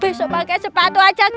besok pakai sepatu aja